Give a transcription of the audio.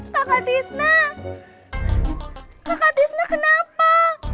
kakak tisna kakak tisna kenapa